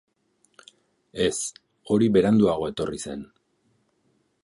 Ez, hori beranduago etorri zen.